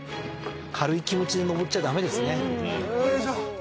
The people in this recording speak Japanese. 軽い気持ちで登っちゃ駄目ですね。